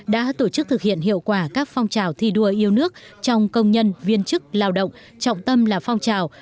đã tổ chức thực hiện hiệu quả các phong trào thi đua yêu nước trong công nhân viên chức lao động trọng tâm là phong trào